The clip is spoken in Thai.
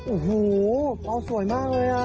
โอ้โหเปล่าสวยมากเลยอ่ะ